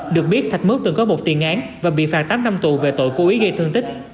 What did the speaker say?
được biết thạch mứt từng có một tiền án và bị phạt tám năm tù về tội cố ý gây thương tích